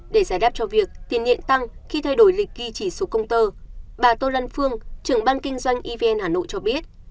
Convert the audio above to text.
để giải đáp cho việc tiền điện tăng khi thay đổi lịch ghi chỉ số công tơ bà tô lân phương trưởng ban kinh doanh evn hà nội cho biết